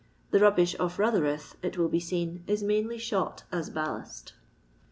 The rubbish of Rotherhithe, it will be seen, is mainly shot " as ballast.